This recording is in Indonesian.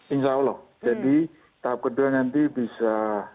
insya allah jadi tahap kedua nanti bisa